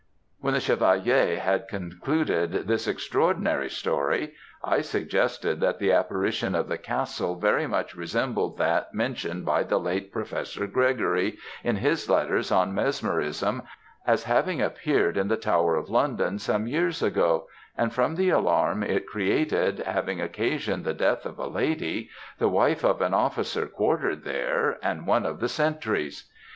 When the Chevalier had concluded this extraordinary story, I suggested that the apparition of the castle very much resembled that mentioned by the late professor Gregory, in his letters on mesmerism, as having appeared in the Tower of London some years ago, and from the alarm it created, having occasioned the death of a lady, the wife of an officer quartered there, and one of the sentries.